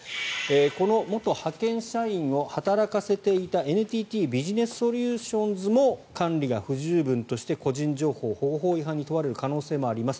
この元派遣社員を働かせていたＮＴＴビジネスソリューションズも管理が不十分として個人情報保護法違反に問われる可能性もあります。